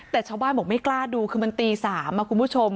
แต่ชาวบ้านบอกไม่กล้าดูคือมันตี๓คุณผู้ชม